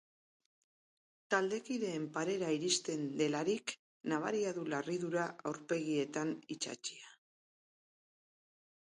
Taldekideen parera iristen delarik, nabaria du larridura aurpegieran itsatsia.